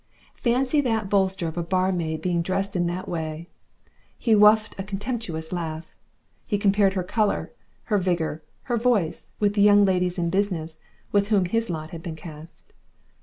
Fancy that bolster of a barmaid being dressed in that way! He whuffed a contemptuous laugh. He compared her colour, her vigour, her voice, with the Young Ladies in Business with whom his lot had been cast.